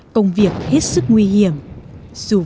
công việc của họ là tìm kiếm các quả bom chưa nổ và phá bom